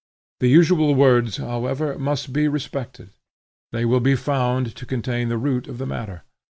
The usual words, however, must be respected; they will be found to contain the root of the matter.